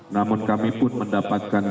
namun kami pun mendapatkan